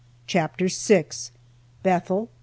CHAPTER VI. BETHEL.